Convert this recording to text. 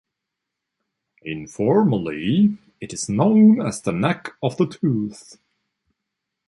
Informally it is known as the neck of the tooth.